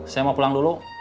saya mau pulang dulu